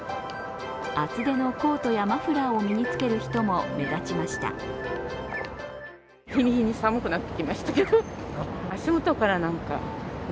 厚手のコートやマフラーを身につける人も目立ちました。